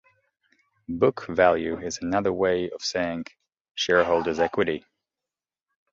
Book value is another way of saying "shareholders' equity".